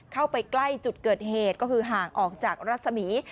เข้าไปใกล้จุดเกิดเหตุก็คือห่างออกจากรัศมี